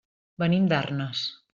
Venim d'Arnes.